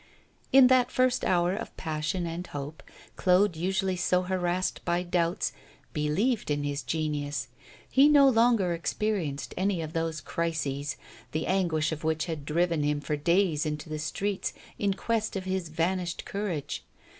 In that first hour of passion and hope, Claude, usually so harassed by doubts, believed in his genius. He no longer experienced any of those crises, the anguish of which had driven him for days into the streets in quest of his vanished courage.